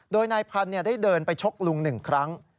โดยนายพันธุ์ได้เดินไปชกลุง๑ครั้ง